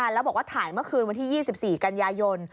แล้วบอกว่าถ่ายเมื่อคืนวันที่๒๔กันยายน